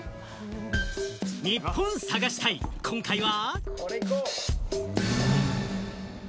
ニッポン探し隊、今回は。